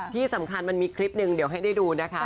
ที่สำคัญมันมีคลิปหนึ่งเดี๋ยวให้ได้ดูนะคะ